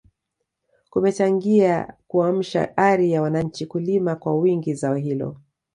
kumechangia kuamsha ari ya wananchi kulima kwa wingi zao hilo